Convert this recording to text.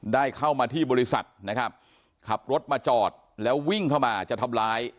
ได้เข้ามาที่บริษัทนะครับขับรถมาจอดแล้ววิ่งเข้ามาจะทำร้าย